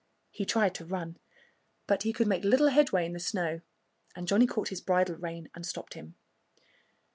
He tried to run. But he could make little headway in the snow, and Johnnie caught his bridle rein and stopped him.